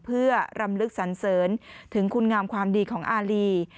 เพื่อรำลึกสันเสริญถึงคุณงามความดีของอารี